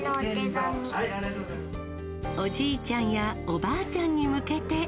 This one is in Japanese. おじいちゃんやおばあちゃんに向けて。